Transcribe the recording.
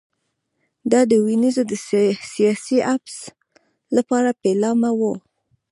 دا د وینز د سیاسي حبس لپاره پیلامه وه